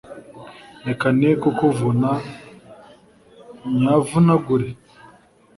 Reka nekukuvuna nyavunagure